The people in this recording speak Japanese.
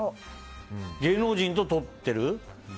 芸能人と撮ってる？